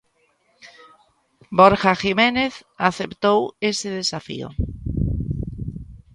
Borja Jiménez aceptou ese desafío.